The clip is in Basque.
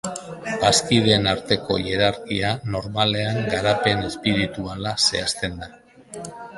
Bazkideen arteko hierarkia normalean garapen espirituala zehazten da.